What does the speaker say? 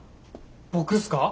僕っすか？